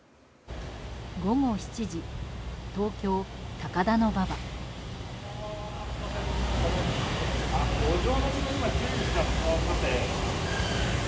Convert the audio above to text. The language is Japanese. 午後７時東京・高田馬場。